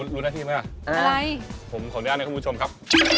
รู้หน้าที่ไหมครับอะไรผมขออนุญาตในคุณผู้ชมครับ